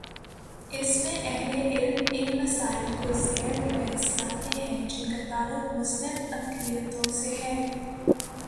اس میں اہل علم ان مسائل کو زیر بحث لاتے ہیں جن کا تعلق مسلم اقلیتوں سے ہے۔